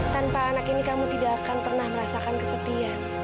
tanpa anak ini kamu tidak akan pernah merasakan kesepian